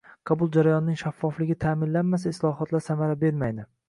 Qabul jarayonining shaffofligi taʼminlanmasa, islohotlar samara bermaydi.